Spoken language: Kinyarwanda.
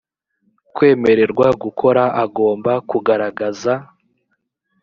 kwemererwa gukora agomba kugaragaza